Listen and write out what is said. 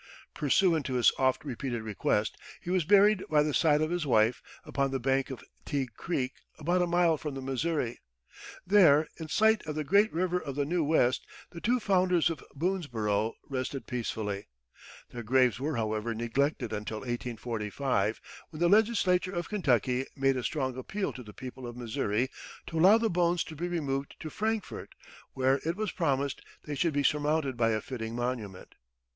Pursuant to his oft repeated request, he was buried by the side of his wife, upon the bank of Teugue Creek, about a mile from the Missouri. There, in sight of the great river of the new West, the two founders of Boonesborough rested peacefully. Their graves were, however, neglected until 1845, when the legislature of Kentucky made a strong appeal to the people of Missouri to allow the bones to be removed to Frankfort, where, it was promised, they should be surmounted by a fitting monument.